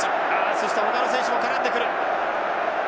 そしてほかの選手も絡んでくる。